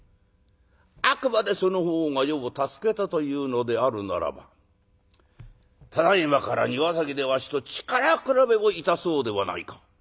あくまでその方が余を助けたというのであるならばただいまから庭先でわしと力比べをいたそうではないか。